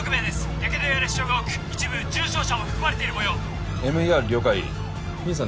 やけどや裂傷が多く一部重傷者も含まれているもようＭＥＲ了解ミンさん